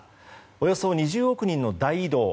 およそ２０億人の大移動。